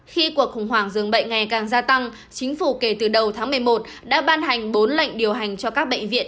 khi cuộc khủng hoảng dường bệnh ngày càng gia tăng chính phủ kể từ đầu tháng một mươi một đã ban hành bốn lệnh điều hành cho các bệnh viện